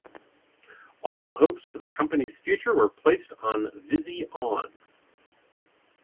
All hopes for the company's future were placed on Visi On.